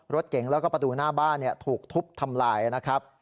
รถเก๋งแล้วก็ประตูหน้าบ้านถูกทุบทำลายนะครับ